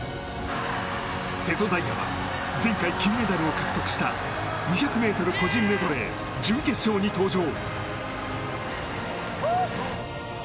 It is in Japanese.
瀬戸大也は前回金メダルを獲得した２００ｍ個人メドレー準決勝に登場。